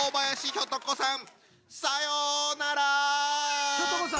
ひょと子さん！